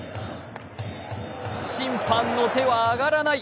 審判の手は上がらない。